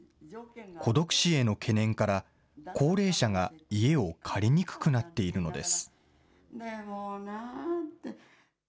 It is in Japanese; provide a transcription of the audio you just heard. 孤独死への懸念から、高齢者が家を借りにくくなっているのです。